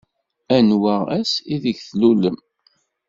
Anwa ass ideg tlulem?